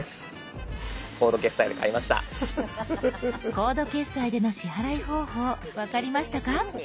コード決済での支払い方法分かりましたか？